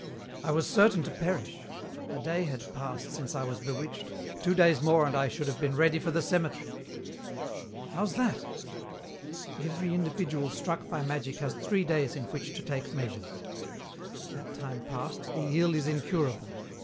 "I was certain to perish. A day had passed since I was bewitched. Two days more and I should have been ready for the cemetery." "How's that?" "Every individual struck by magic has three days in which to take measures. That time past, the ill is incurable.